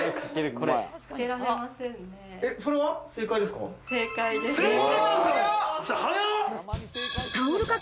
それは正解ですか？